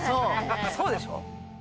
そうでしょ。